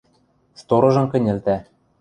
Сторожым кӹньӹлтӓ.